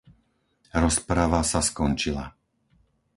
Rozprava sa skončila.